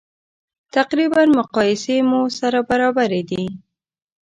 تقریبا مقایسې مو سره برابرې دي.